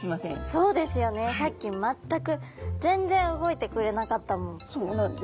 そうですよねさっき全く全然動いてくれなかったもん。